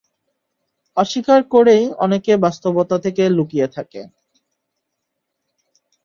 অস্বীকার করেই অনেকে বাস্তবতা থেকে লুকিয়ে থাকে।